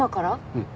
うん。